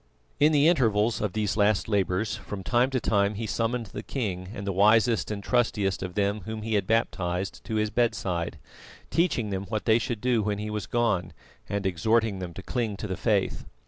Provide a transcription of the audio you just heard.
In the intervals of these last labours, from time to time he summoned the king and the wisest and trustiest of them whom he had baptised to his bedside, teaching them what they should do when he was gone, and exhorting them to cling to the Faith.